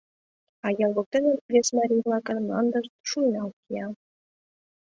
А ял воктене вес марий-влакын мландышт шуйналт кия.